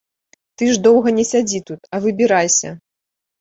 Ты ж доўга не сядзі тут, а выбірайся.